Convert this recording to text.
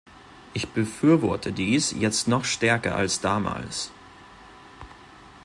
Ich befürworte dies jetzt noch stärker als damals.